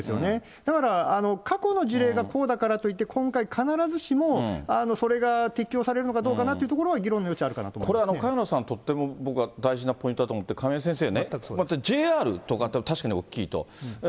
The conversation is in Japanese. だから、過去の事例がこうだからといって、今回、必ずしもそれが適用されるのかどうかなというのは議論の余地あるこれは萱野さん、僕はとっても大事なポイントだと思って、亀井先生ね、ＪＲとかだと確かに大きいと。